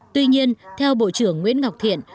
tuy nhiên theo bộ trưởng nguyễn ngọc thiện